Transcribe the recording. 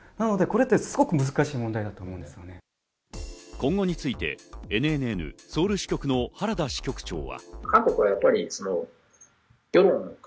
今後についてＮＮＮソウル支局の原田支局長は。